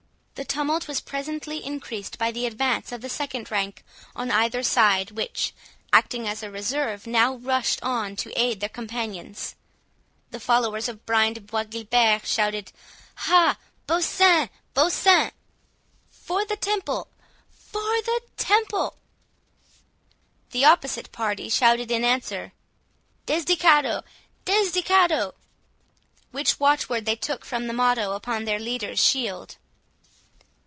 The tumult was presently increased by the advance of the second rank on either side, which, acting as a reserve, now rushed on to aid their companions. The followers of Brian de Bois Guilbert shouted—"Ha! Beau seant! Beau seant! 20 "—For the Temple—For the Temple!" The opposite party shouted in answer—"Desdichado! Desdichado!"—which watch word they took from the motto upon their leader's shield.